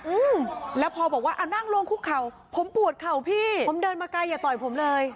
อืมแล้วพอบอกว่าเอานั่งลงคุกเข่าผมปวดเข่าพี่ผมเดินมาไกลอย่าต่อยผมเลย